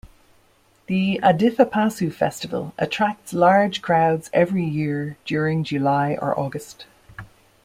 The Adithapasu festival attracts large crowds every year during July or August.